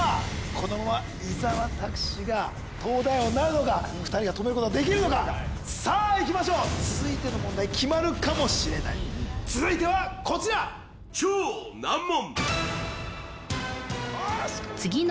このまま伊沢拓司が東大王になるのか２人が止めることができるのかさあいきましょう続いての問題決まるかもしれない続いてはこちら超難問